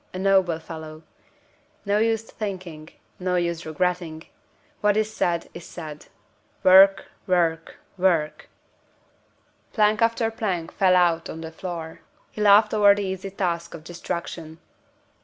a noble fellow! No use thinking, no use regretting; what is said, is said. Work! work! work!" Plank after plank fell out on the floor. He laughed over the easy task of destruction.